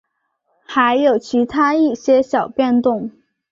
还有其它一些小变动。